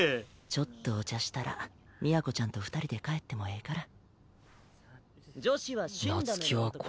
ちょっとお茶したら都ちゃんと二人で帰ってもええから。